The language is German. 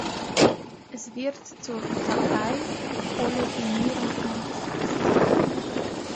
Es wird zur Takai-Olefinierung eingesetzt.